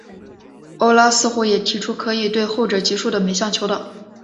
欧拉似乎也提出可以对后者级数的每项求导。